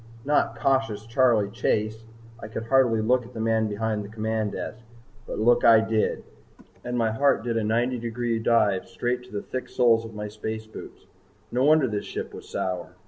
Not Cautious Charley Chase! I could hardly look at the man behind the command desk. But look I did and my heart did a ninety degree dive straight to the thick soles of my space boots. No wonder this ship was sour.